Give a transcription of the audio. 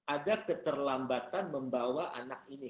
ada keterlambatan membawa anak ini